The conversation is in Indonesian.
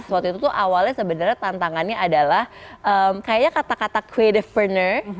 waktu itu tuh awalnya sebenarnya tantangannya adalah kayaknya kata kata creative partner